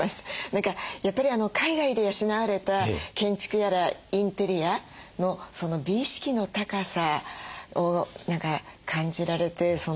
何かやっぱり海外で養われた建築やらインテリアのその美意識の高さを何か感じられて。